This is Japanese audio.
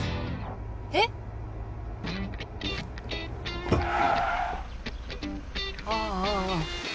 えっ⁉ああ。